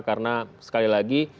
karena sekali lagi